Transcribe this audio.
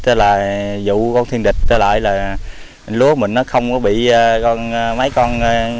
đó là dụ con thiên địch đó là lúa mình nó không có bị mấy con